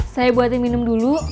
saya buatin minum dulu